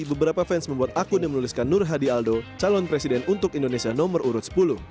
beberapa fans membuat akun yang menuliskan nur hadi aldo calon presiden untuk indonesia nomor urut sepuluh